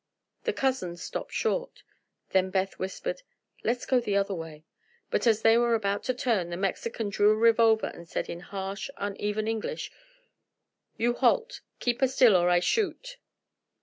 The cousins stopped short. Then Beth whispered: "Let's go the other way." But as they were about to turn the Mexican drew a revolver and said in harsh, uneven English: "You halt. Keep a still, or I shoot."